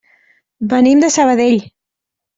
Venim de Sabadell.